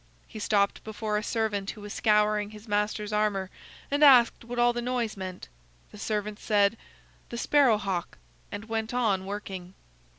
He stopped before a servant who was scouring his master's armor, and asked what all the noise meant. The servant said: "The Sparrow hawk," and went on working.